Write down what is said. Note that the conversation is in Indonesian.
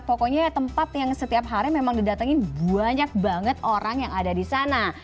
pokoknya tempat yang setiap hari memang didatengin banyak banget orang yang ada di sana